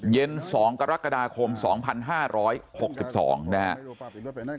๒กรกฎาคม๒๕๖๒นะครับ